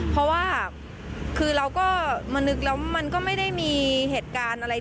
เพราะว่าคือเราก็มานึกแล้วมันก็ไม่ได้มีเหตุการณ์อะไร